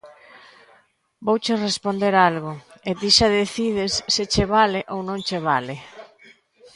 Vouche responder algo, e ti xa decides se che vale ou non che vale.